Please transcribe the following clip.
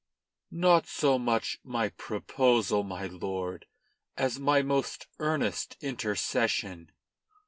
"Not so much my proposal, my lord, as my most earnest intercession.